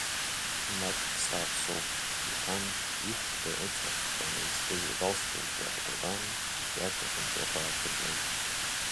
Маҷк сааԥсоуп, — иҳәан, ихәда ыҵархханы изкыз игалстукгьы ааиркәадан, икьаҿ аҳәынҵәрақәа ааԥиртлеит.